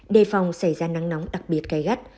đề phòng xảy ra nắng nóng đặc biệt gai gắt